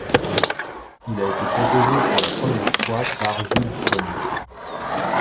Il a été proposé pour la première fois par Jules Freund.